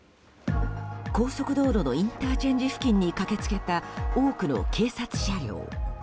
高速道路のインターチェンジ付近に駆け付けた多くの警察車両。